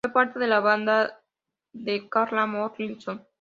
Fue parte de la banda de Carla Morrison.